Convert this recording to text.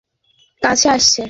সে খুজতে খুজতে আমার কাছে আসছে।